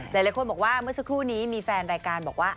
หลายคนบอกว่าเมื่อสักครู่นี้มีแฟนรายการบอกว่า